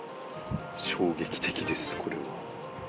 衝撃的です、これは。